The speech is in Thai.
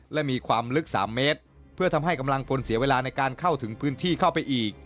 และมีความลึก๓เมตรเพื่อทำให้กำลังพลเสียเวลาในการเข้าถึงพื้นที่เข้าไปอีก